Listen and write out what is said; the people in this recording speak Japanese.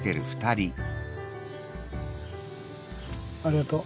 ありがとう。